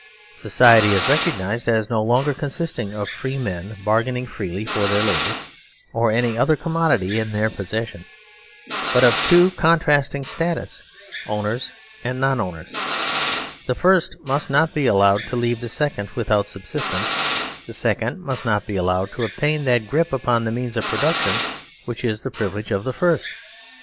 Society is recognised as no longer consisting of free men bargaining freely for their labour or any other commodity in their posses sion, but of two contrasting status, owners and non owners. The first must not be allowed to leave the second without subsistence ; the second must not be allowed to obtain that grip upon the means of pro duction which is the privilege of the first.